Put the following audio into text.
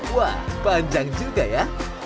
wah panjang juga ya